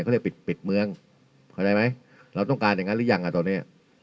เขาเรียกปิดเมืองเข้าใจไหมเราต้องการอย่างนั้นหรือยังอ่ะตอนเนี้ย